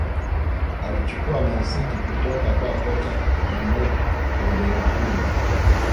Aliichukua Man City kutoka kwa kocha Manuel Pelegrini